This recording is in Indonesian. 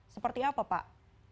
seperti apa pak